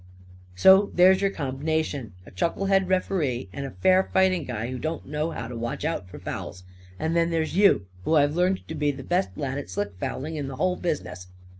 So there's your comb'nation a chucklehead ref'ree and a fair fighting guy who don't know how to watch out for fouls. And then there's you, who I've learned to be the best lad at slick fouling in the whole business.